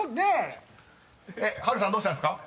［波瑠さんどうしたんですか？］